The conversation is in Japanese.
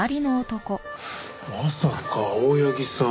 まさか青柳さん